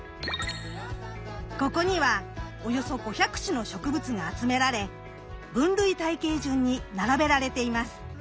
ここにはおよそ５００種の植物が集められ分類体系順に並べられています。